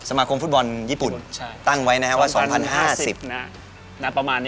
สมาคมฟุตบอลญี่ปุ่นตั้งไว้นะครับว่า๒๐๕๐ประมาณ